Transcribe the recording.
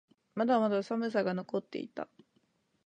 まだまだ寒さが残っていた。